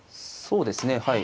そうですね。